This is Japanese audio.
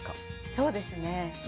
そうですね。